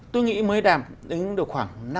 tôi nghĩ mới đảm đến khoảng năm mươi